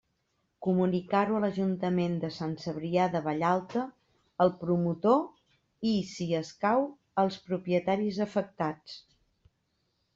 Comunicar-ho a l'Ajuntament de Sant Cebrià de Vallalta, al promotor i, si escau, als propietaris afectats.